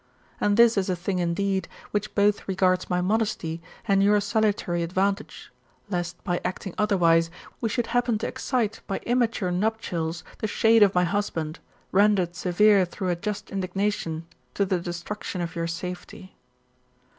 And this is a thing indeed, which both regards my modesty, and your salutary advantage ; lest, by acting other wise, we should happen to excite by immature nuptials the shade of ray husband, rendered seveie through a just indignation, to the destruction of your safety.'